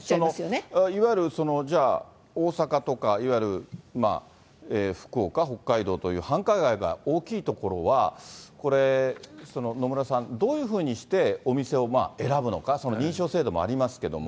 いわゆる、じゃあ、大阪とか、いわゆる福岡、北海道という繁華街が大きい所は、これ、野村さん、どういうふうにしてお店を選ぶのか、認証制度もありますけれども。